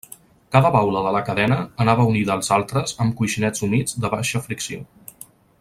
Cada baula de la cadena anava unida als altres amb coixinets humits de baixa fricció.